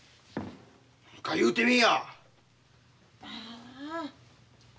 何か言うてみいや！